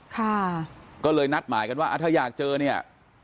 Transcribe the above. ค่ะก็เลยนัดหมายกันว่าถ้าอยากเจอเนี่ย